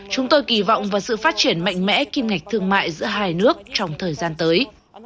chúng tôi kỳ vọng vào sự phát triển mạnh mẽ kim ngạch thương mại giữa hai nước trong thời gian tới